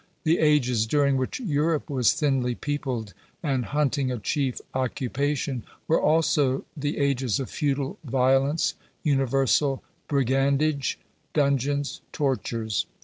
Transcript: The ages during which Europe was thinly peopled, and hunting a chief occupation, were also the ages of feudal violence, universal brigandage, dungeons, tortures.